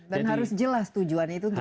dan harus jelas tujuannya itu untuk apa